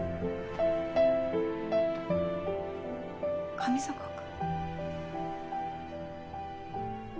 上坂君？